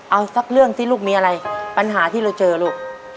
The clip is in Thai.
เอาสักเรื่องสิลูกมีอะไรปัญหาที่เราเจอลูก